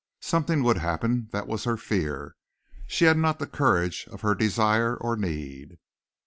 Something would happen that was her fear. She had not the courage of her desire or need.